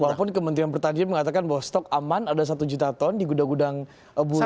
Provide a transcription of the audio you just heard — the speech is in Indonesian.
walaupun kementerian pertanian mengatakan bahwa stok aman ada satu juta ton di gudang gudang burung